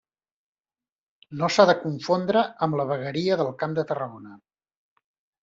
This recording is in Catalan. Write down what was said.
No s'ha de confondre amb la Vegueria del Camp de Tarragona.